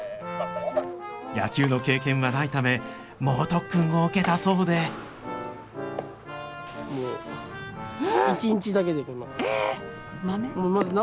野球の経験はないため猛特訓を受けたそうでもう１日だけでこんな。